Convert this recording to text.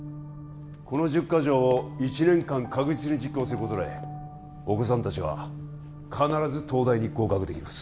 この１０か条を１年間確実に実行することでお子さん達は必ず東大に合格できます